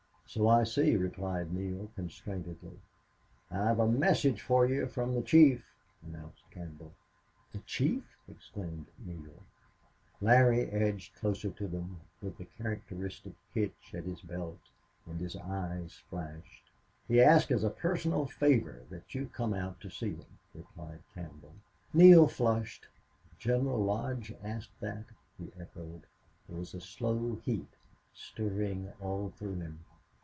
"So I see," replied Neale, constrainedly. "I've a message for you from the chief," announced Campbell. "The chief!" exclaimed Neale. Larry edged closer to them, with the characteristic hitch at his belt, and his eyes flashed. "He asks as a personal favor that you come out to see him," replied Campbell. Neale flushed. "General Lodge asks that!" he echoed. There was a slow heat stirring all through him.